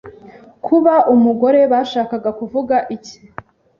kuba umugore bashakaga kuvuga iki